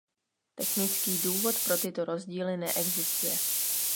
Technický důvod pro tyto rozdíly neexistuje.